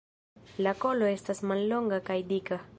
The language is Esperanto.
La kolo estas mallonga kaj dika.